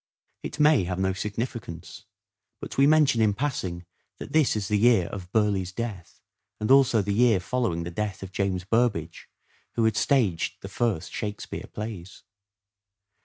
It may have no significance, but we mention in passing that this is the year of Burleigh's death and also the year following the death of James Burbage who had staged the first " Shake speare " plays.